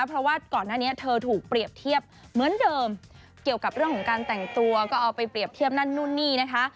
เพราะว่าก่อนหน้านี้เธอถูกเปรียบเทียบเหมือนเดิมเกี่ยวกับเรื่องของการแต่งตัวก็เอาไปเปรียบเทียบนั่นนู่นนี่นะคะ